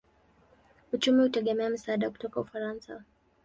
Uchumi hutegemea misaada kutoka Ufaransa.